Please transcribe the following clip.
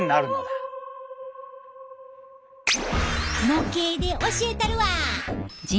模型で教えたるわ。